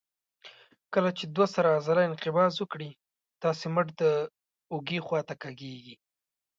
کله چې دوه سره عضله انقباض وکړي تاسې مټ د اوږې خواته کږېږي.